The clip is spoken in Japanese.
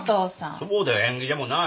そうだよ縁起でもない。